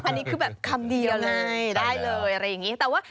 อันนี้คือแบบคำเดียวเลยได้เลยอะไรอย่างนี้